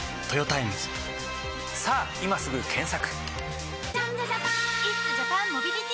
さぁ今すぐ検索！